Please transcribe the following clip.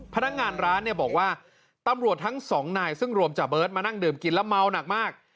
พนักงานร้านเนี่ยบอกว่าตำรวจทั้งสองนายซึ่งรวมจ่าเบิร์ตมานั่งดื่มกินแล้วเมาหนักมาก